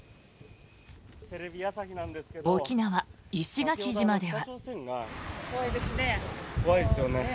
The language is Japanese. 沖縄・石垣島では。